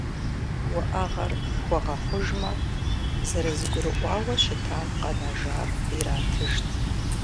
Уӏэгъэр хуэгъэхъужмэ, зэрызэгурыӏуауэ щытам къэнэжар иратыжт.